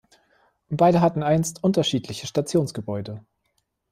Beide hatten einst unterschiedliche Stationsgebäude.